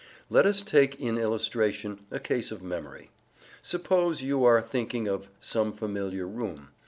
Let us take in illustration a case of memory. Suppose you are thinking of some familiar room.